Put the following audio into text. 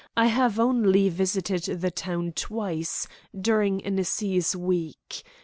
I have only visited the town twice, during an Assize week.